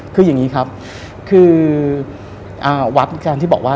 คืออย่างนี้ครับคือวัดการที่บอกว่า